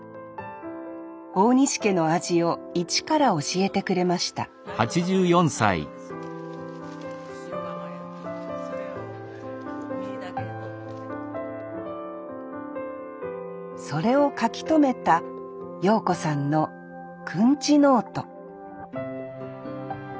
大西家の味を一から教えてくれましたそれを書き留めた謡子さんのくんちノート